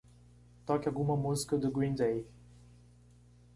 Toque alguma música do Green Day.